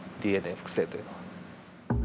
ＤＮＡ複製というのは。